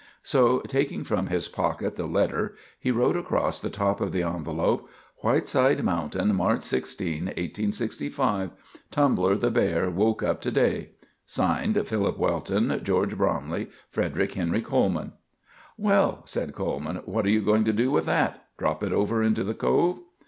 So taking from his pocket the letter, he wrote across the top of the envelop: "WHITESIDE MOUNTAIN, March 16, 1865. "Tumbler, the bear, woke up to day. "(Signed) PHILIP WELTON, "GEORGE BROMLEY, "FREDERICK HENRY COLEMAN." "Well," said Coleman, "what are you going to do with that? Drop it over into the Cove?"